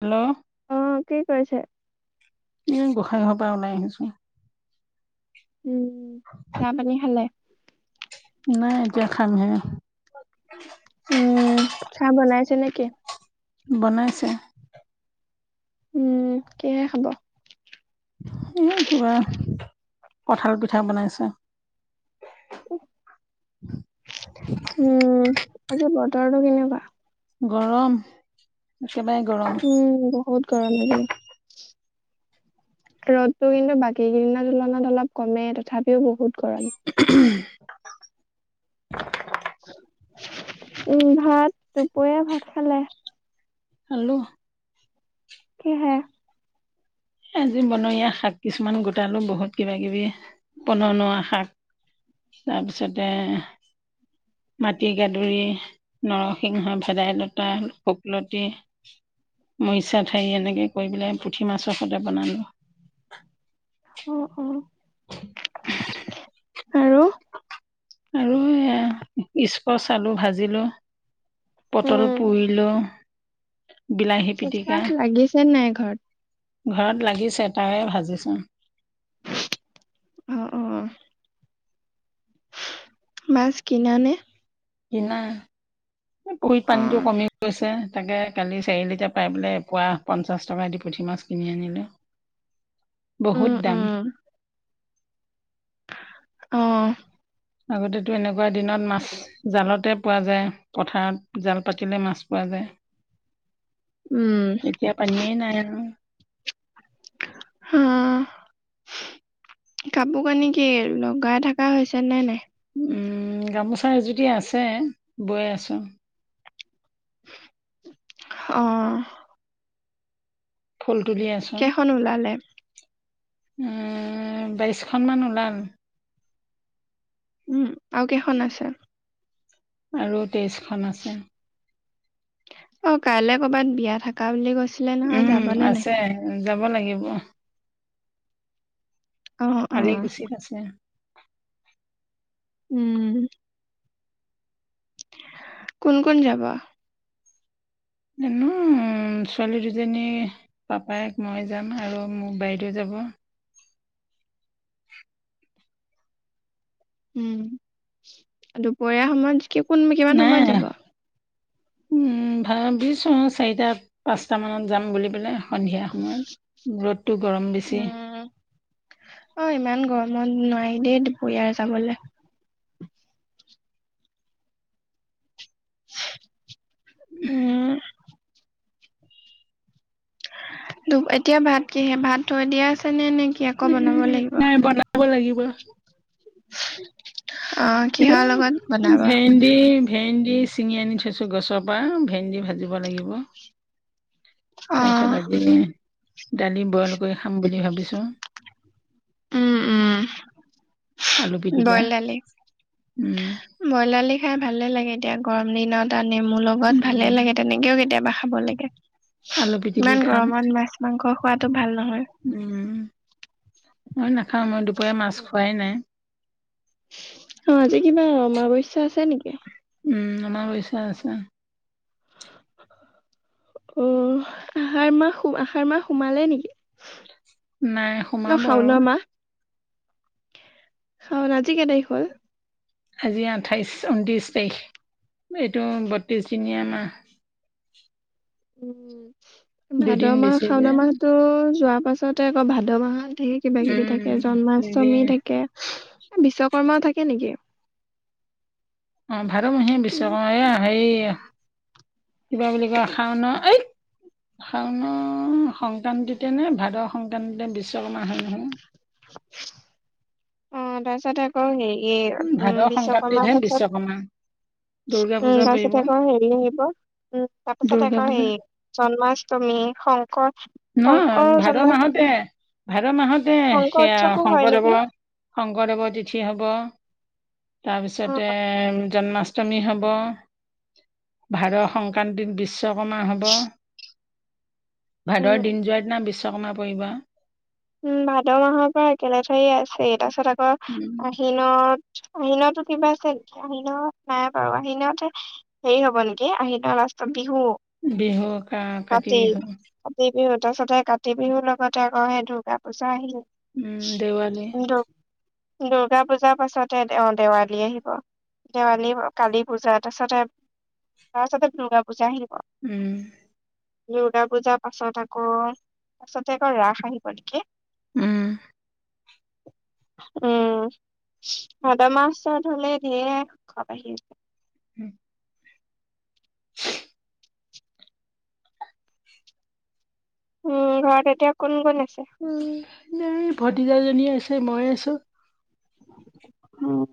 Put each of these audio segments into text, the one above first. Hello! অ কি কৰিছে? এই গোসাঁই ঘৰ পৰা ওলাই আহিছোঁ। উম, চাহ - পানী খালে? নাই এতিয়া খামহে। উম, চাহ বনাইছে নেকি? বনাইছে। উম, কিহে খাব? উহু কিবা কঠাল পিঠা বনাইছো। উম, আজি বতৰটো কেনেকুৱা? গৰম একেবাৰে গৰম উম বহুত গৰম লাগে। [inaudible] ৰ'দতো কিন্তু বাকী দিনৰ তুলনাত অলপ কমে তথাপিও বহুত গৰম। উহো হুম। উম ভাত, দুপৰীয়া ভাত খালে? খালোঁ। কিহে? আজি বনৰীয়া শাক কিছুমান গোটালো বহুত কিবা - কিবি পননোৱা শাক। তাৰপিছতে মাটি গাদুৰি নৰসিংহ, ভেদাইলতা, শুকলতি মৰিচা ঠাৰি এনেকে কৰি পেলাই পুঠি মাছৰ সতে বনালো। অ অ। আৰু আৰু এয়া স্কচ আলু ভাজিলো। পটল উম পুৰিলোঁ। বিলাহী পিটিকা, মাছ লাগিছে নাই ঘৰত? ঘৰত লাগিছে তাৰে ভাজিছো। অ অ। মাছ কিনানে? কিনা, এ পুহীত অ পানীটো কমি গৈছে। তাকে কালি চাৰি লিটাৰ পাই পেলাই পুৱা পঞ্চাছ টকা দি পুঠি মাছ কিনি আনিলোঁ। বহুত দাম। উ অ। আগতেতো এনেকুৱা দিনত মাছ জালতে পোৱা যায়, পথাৰত জাল পাতিলে মাছ পোৱা যায়। উম। এতিয়া পানীয়ে নাই আৰু। হুম চু, কাপোৰ কানি কি লগাই থা হৈছে নে নাই? উম গামোচা এ যদি আছে বৈ আছো। অ। ফুল তুলি আছোঁ। খন ওলালে? উম বাইশখনমান ওলাল। উম আৰু কেইখন আছে? আৰু তেইছ খন আছে। অ কাইলে কৰবাত বিয়া থাকা বুলি কৈছ উম আছে। যাব লাগিব, অ অ আলিকুছিত আছে। উম কোন কোন যাবা? ননো চোৱালী দুজনী। পাপায়ক মই যাম আৰু মোৰ বাইদেউ যাব। উম দুপৰীয়া সময়ত কোন কিমান নাই সময়ত যাব? উম ভাবিছো চাৰিটাত। পাঁচটামানত যাম বুলি পেলাই সন্ধিয়া সময়ত ৰ'দটো গৰম বেছি। উম অ ইমান গৰমত নোৱাৰি দেই দুপৰীয়া যাবলে হয় [unintelligible] উমহ ধুপ এতিয়া ভাত কিহে ভাত থৈ দিয়া আছে নে নেকি? কি আকৌ বনাব উম লাগিব। নাই বনাব লাগিব অ ভ কিহৰ লগত [unintelligible] বনাব? দি ভেন্দি চিঙি আনি থৈছোঁ গছৰ পৰা, ভেন্দি ভাজিব লাগিব। অ তাৰপিছত আজি, দালি বইল কৰি খাম বুলি ভাবিছোঁ। উম উম, আলু পিটিকা বইল দালি। উম ব্ৰইল দালি খাই ভালে লাগে দিয়া, গৰম দিনত আৰু নেমুৰ লগত ভালে উম লাগে তেনেকে। ও কেতিয়াবা খাব লাগে। আলু পিটিকি ইমান খাম গৰমত মাছ মাংস খোৱাতো ভাল নহয়। উম, মই নাখাওঁ মই দুপৰীয়া মাছ খোৱাই নাই। অ আজি কিবা অমাৱস্যা আছে নেকি? উম, অমাৱস্যা আছে। অহ আহাৰ মাহ আহাৰ মাহ সোমালে নেকি? নাই ন সোমাব আৰু শাওনৰ মাহ। শাওন আজি কে তাৰিখ হল? আজি আঠাইছ ঊনত্ৰিছ তাৰিখ এইটো বত্ৰিশ দিনীয়া মাহ। উম, ভাদ দুদিন মাহ বেছি যে শাওনৰ মাহতটো যোৱা পাছতে আকৌ ভাদ মাহত- ধেই কিবা উম কিবি থাকে। হেৰি জন্মাষ্টমী থাকে এ বিশ্বকৰ্মাও থাকে নেকি? অ ভাদমহিয়া বিশ্বক এয়া সেই- কিবা বুলি কয় শাওনা এই- শাওণৰ সংক্ৰান্তিতে নে, ভাদ সংক্ৰান্তিতে বিশ্বকৰ্মা হয় নহয়। অ তাৰপিছত আকৌ হেৰি ভাদ উম বিশ্বকৰ্মাৰ সংক্ৰান্তিতহে পাছত- বিশ্বকৰ্মা দুৰ্গা উম পূজা পৰিব তাপাছতে আকৌ হেৰি আহিব। উম তাৰ পিছত দুৰ্গা আকৌ পূজা হেৰি। জন্মাষ্টমী শংকৰ- ন শংকৰ ভাদ জন্ম মাহতে ভাদ মাহতে শংকৰ সেয়া উৎসৱো হয় নেকি শংকৰদেৱৰ- শংকৰদেৱৰ তিথি হ'ব, অ তাৰপিছতে- জন্মাষ্টমী হ'ব। ভাদ সংক্ৰান্তি বিশ্বকৰ্মা হ'ব। উম ভাদৰ দিন যোৱাৰ দিনা বিশ্বকৰ্মা পৰিব আও। উম ভাদ মাহৰ পৰা একে লেথাৰিয়ে আছেই তাৰ পাছত আকৌ- উম আহিনত আহিনতো কিবা আছে নেকি আহিনত নাই বাৰু আহিনত- সেই হব নেকি? আহিনৰ লাষ্টত বিহু। বিহু কা কাতি বিহু। কাতি বিহু তাৰ পিছতে কাতি বিহুৰ লগতে আকৌ সেই দূৰ্গা পূজা আহিল। উম দেৱালী দু দুৰ্গা পূজাৰ পাছতে অ দেৱালী আহিব। দেৱালীৰ কালী পূজা তাৰছতে তাৰপাছতে দুৰ্গা পূজা আহিব। উম, দুৰ্গা পূজাৰ পাছত আকৌ পাছতে আকৌ ৰাস আহিব নেকি? উম উম, ভাদ মাছত হলে ঢেৰ খাব আহি - উম [unintelligible] উম ঘৰত এতিয়া কোন কোন আছে। উম ভতিজা এজনী আছে মই আছো। উম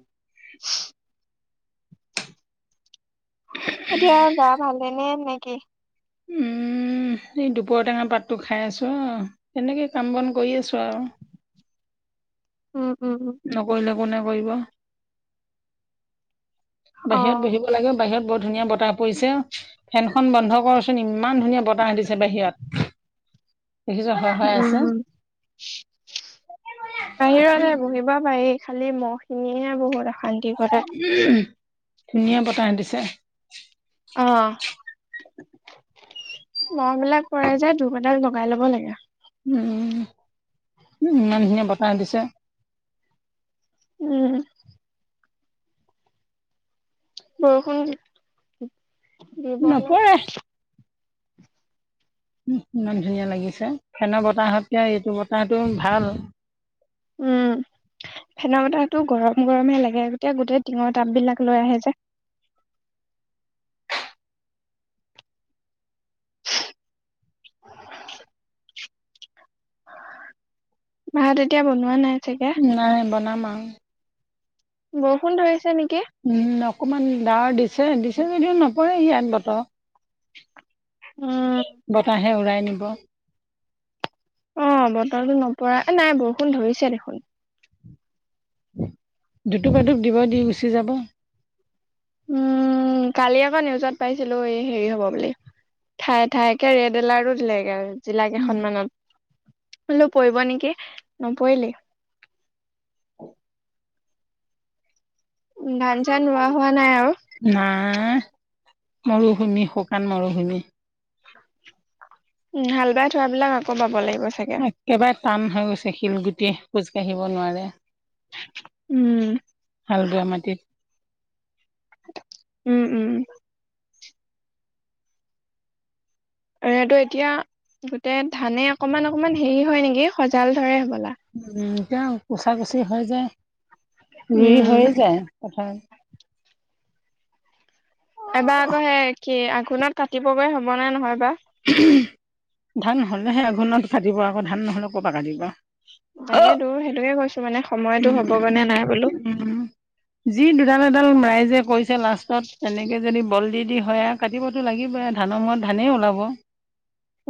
এতিয়া গা ভালে নেকি? উম দুপৰটেঙা পাতটো খাই আছোঁ অ তেনেকৈ কাম বন কৰি আছোঁ আৰু উম উম উম। নকৰিলে কোনে কৰিব। বাহিৰত বহিব লাগে বাহিৰত বৰ ধুনীয়া বতাহ পৰিছে। ফেনখন বন্ধ কৰচোন ইমান ধুনীয়া বতাহ দিছে বাহিৰত দেখিছ। হৈ হৈ উম, আছে বাহিৰতে বহিব পাৰি খালি মহ খিনিয়ে নে বহুত আ ধুনীয়া বতাহ দিছে। অ মহ বিলাক পয়ে যে ধুপ এডাল লগাই লব লাগে। উম ইমান ধুনিয়া বতাহ দিছে। উম বৰষুণ দিব নেকি। নপৰে ইমান ধুনীয়া লাগিছে ফেনৰ বতাহতকে এইটো বতাহটো ভাল। উম ফেনৰ বতাহটো গৰম গৰম হে লাগে গতিয়া গোটেই টিঙৰ তাব বিলাক লৈ আহে যে। [inaudible] ভাত এতিয়া বনোৱা নাই চাগে। নাই বনাম আও, বৰষুণ ধৰিছে নেকি? উম অকণমান ডাৱৰ দিছে দিছে যদিও নপৰে ইয়াত বতৰ। বতাহে উৰাই নিব। অ বতৰটো নপৰা নাই বৰষুণ ধৰিছে দেখোন। দুটোপ এটোপ দিব দি গুচি যাব। উম কালি আকৌ নিউজত পাইছিলো এই হেৰি হ'ব বুলি। ঠায়ে ঠায়ে একে ৰেড এলাৰ্টো দিলেগে আৰু জিলা উম কেইখনমানত, মই বোলো পৰিব নেকি নপৰিলে। উ ধান চান ৰোৱা হোৱা নাই আৰু নাই মৰুভূমি শুকান মৰুভূমি। উম হাল বাই থোৱাবিলাক আকৌ বাব লাগিব চাগে। একেবাৰে টান হৈ গৈছে শিলগুটি খোজ কাঢ়িব নোৱাৰে। উম হাল বোৱা মাটিত। উম উম। আৰুটো এতিয়া গোটেই ধানে অকমান অকমান হেৰি হয় নেকি সজাল ধৰে হবলা। উ এতিয়া কুচা কুচি হৈ যায় ৰুই উম হৈয়ে যায় পথাৰত। পথাৰত এবাৰ আকৌ সেই কি আঘোণত। কাটিবগে হ'বগে হবনে নহয় বা। ধান হ'লেহে আঘোণত কাটিব আকৌ ধান নহ'লে ক'ৰ পৰা কাটিব। তাকেতো সেইটোকে কৈছো মানে সময়তো উম, হবগৈ নে নাই বোলো। উম, উম, যি দুডাল এডাল ৰাইজে কৈছে লাষ্টত এনেকে যদি বল দি-দি হয় আ কাটিবতো লাগিবই ধানৰ সময়ত ধানেই ওলাব।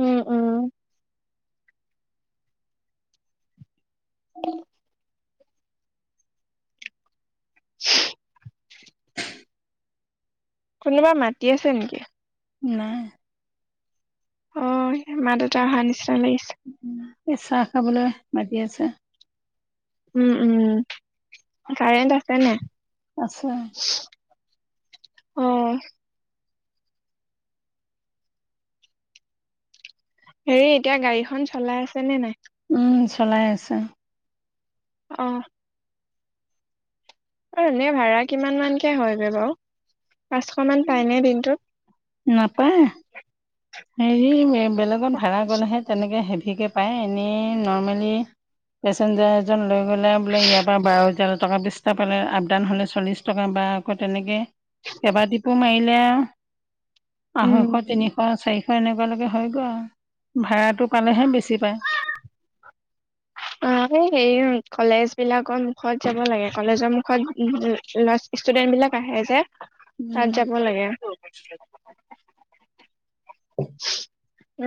উম- উম [unintelligible] কোনোবা মাতি আছে নেকি? নাই। অ মা দেউতা অহা নিচিনা লাগিছে। চাহ খাবলৈ মাতি আছে। উম উম কাৰেণ্ট আছে নাই। আছে। [unintelligible] অ', হেৰি এতিয়া গাড়ীখন চলাই আছে নে নাই? উম, চলাই আছে। অহ', এ এনে ভাড়া কিমান মানকে হয়গৈ বাও পাঁচশ মান পাইনে দিনটোত? নাপায় হেৰি বেলেগত ভাড়া গ'লেহে তেনেকে হেভিকে পায় এনেই নৰ্মেলি পেচেঞ্জাৰ এজন লৈ গ'লে বোলে ইয়াৰ পৰা বাৰ, তেৰ টকা বিছটা পালে আপ ডাউন হ'লে চল্লিছ টকা বা আকৌ তেনেকে কেইবা টিপো মাৰিলে আও। উম। আঢ়ৈশ, তিনিশ, চাৰিশ এনেকুৱালৈকে হৈ গৈ আৰু ভাড়াটো পালেহে বেছি পায়। অহ, এই সে [unintelligible] কলেজ বিলাকৰ মুখত যাব লাগে কলেজৰ মুখ মুখত [unintelligible] ষ্টুডেন্ট বিলাক আহে যে তাত যাব লাগে। [unintelligible] [unintelligible]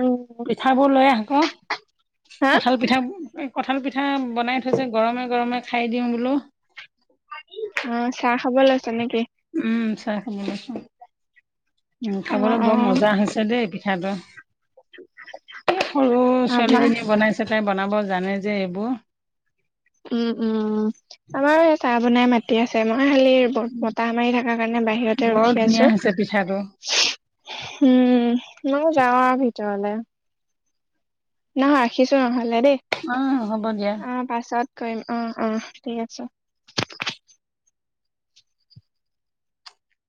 উম। পিঠাবোৰ লৈ আহ ক। হা? কঁঠাল পিঠা- কঁঠাল পিঠা বনাই থৈছে গৰমে- গৰমে খাই দিওঁ বোলো। অহ, চাহ খাব লৈছ নেকি? উম, চাহ খাব লৈছোঁ [inaudible] উম অ', খাবলৈ বৰ অ', মজা হৈছে। ছে দেই পিঠাটো সে সৰু আমাৰ ছোৱালীজনীয়ে বনাইছে। তে তাই বনাব জানে যে এইবোৰ। উম-উম আমাৰ এ চাহ বনাই মাতি আছে মই খালি বত-বতাহ মাৰি থাকা কাৰণে বাহিৰতে বৰ ৰখি ধুনীয়া আছোঁ। হৈছে পিঠাটো হম, মইও যাওঁ আৰু ভিতৰলে। নহ ৰাখিছোঁ নহ'লে দে। অহ, হ'ব দিয়া। পাছত কৰিম অহ', অহ', ঠিক আছে।